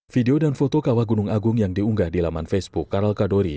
video dan foto kawah gunung agung yang diunggah di laman facebook karal kadori